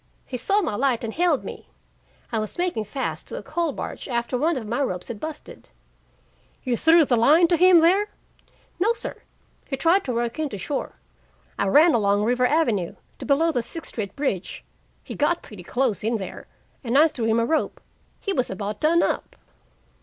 "He saw my light and hailed me. I was making fast to a coal barge after one of my ropes had busted." "You threw the line to him there?" "No, sir. He tried to work in to shore. I ran along River Avenue to below the Sixth Street bridge. He got pretty close in there and I threw him a rope. He was about done up."